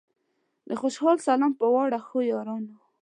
د خوشال سلام پۀ واړه ښو یارانو